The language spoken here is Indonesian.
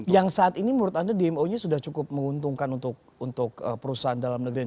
yang saat ini menurut anda dmo nya sudah cukup menguntungkan untuk perusahaan dalam negeri